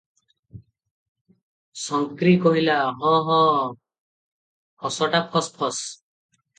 "ଶଂକ୍ରୀ କହିଲା," ହଁ ହଁ ହସଟା ଫସ୍ ଫସ୍ ।